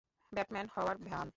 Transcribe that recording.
Batman হওয়ার ভান।